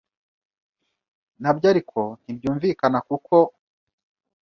Nabyo ariko ntibyumvikana kuko